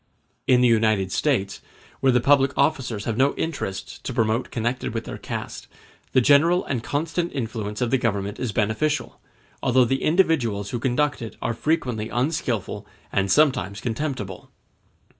]] In the United States, where the public officers have no interests to promote connected with their caste, the general and constant influence of the Government is beneficial, although the individuals who conduct it are frequently unskilful and sometimes contemptible.